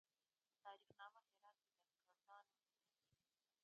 په تاریخ نامه هرات کې د کردانو نوم یادیږي.